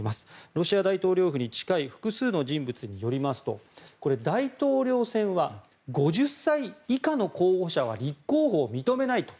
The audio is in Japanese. ロシア大統領府に近い複数の人物によりますと大統領選は５０歳以下の候補者は立候補を認めないと。